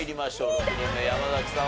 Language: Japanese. ６人目山崎さん